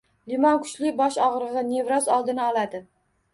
Limon kuchli bosh og‘rig‘i, nevroz oldini oladi.